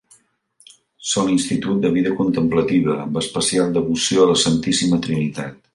Són instituts de vida contemplativa, amb especial devoció a la Santíssima Trinitat.